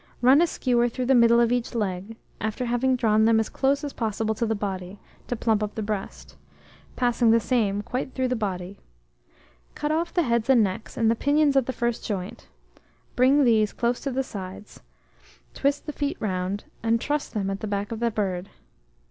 Run a skewer through the middle of each leg, after having drawn them as close as possible to the body, to plump up the breast, passing the same quite through the body. Cut off the heads and necks, and the pinions at the first joint; bring these close to the sides, twist the feet round, and truss them at the back of the bird.